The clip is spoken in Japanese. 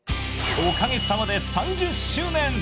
おかげさまで３０周年。